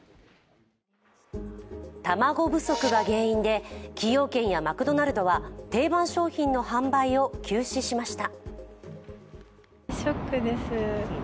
卵不足が原因で崎陽軒やマクドナルドは定番商品の販売を休止しました。